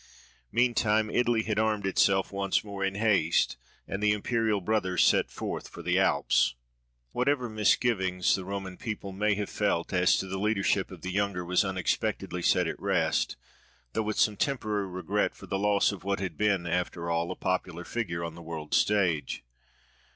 Meantime Italy had armed itself once more, in haste, and the imperial brothers set forth for the Alps. Whatever misgiving the Roman people may have felt as to the leadership of the younger was unexpectedly set at rest; though with some temporary regret for the loss of what had been, after all, a popular figure on the world's stage.